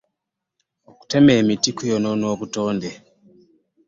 Okutema emiti kunyonoona obutonde.